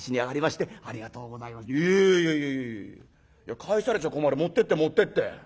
返されちゃ困る持ってって持ってって。